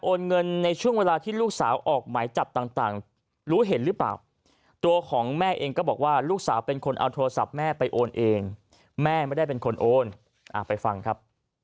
เงินในช่วงเวลาที่ลูกสาวออกหมายจับต่างรู้เห็นหรือเปล่าตัวของแม่เองก็บอกว่าลูกสาวเป็นคนเอาโทรศัพท์แม่ไปโอนเองแม่ไม่ได้เป็นคนโอนไปฟังครับ